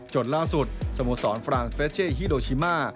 จนล่าสุดสมสรรษฐ์ฝรั่งเฟรชเชฮิโรชิมา